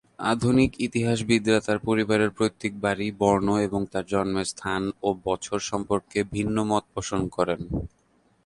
আধুনিক ইতিহাসবিদরা তার পরিবারের পৈতৃক বাড়ি, বর্ণ এবং তার জন্মের স্থান ও বছর সম্পর্কে ভিন্ন মত পোষণ করেন।